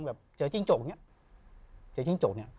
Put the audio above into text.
แต่ไม่เกิน๓สีหรอก